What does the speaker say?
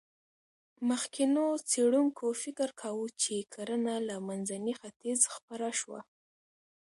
مخکېنو څېړونکو فکر کاوه، چې کرنه له منځني ختیځ خپره شوه.